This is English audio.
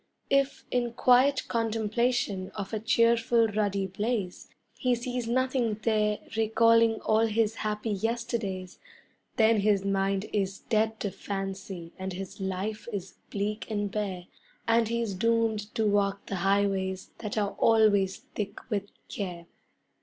If in quiet contemplation of a cheerful ruddy blaze He sees nothing there recalling all his happy yesterdays, Then his mind is dead to fancy and his life is bleak and bare, And he's doomed to walk the highways that are always thick with care.